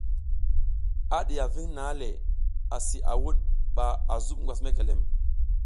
A diya ving nang le asi a wuɗ ɓa a zuɓ ngwas mekelem.